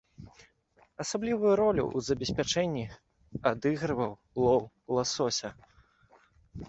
Асаблівую ролю ў забеспячэнні адыгрываў лоў ласося.